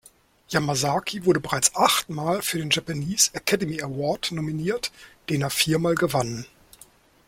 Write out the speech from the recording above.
Yamazaki wurde bereits achtmal für den Japanese Academy Award nominiert, den er viermal gewann.